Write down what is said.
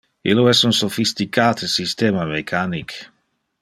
Illo es un sophisticate systema mechanic!